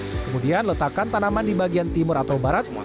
kemudian letakkan tanaman di bagian timur atau barat